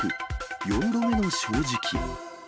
４度目の正直。